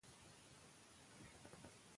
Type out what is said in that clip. ښه عادتونه جذاب او په زړه پورې کړئ.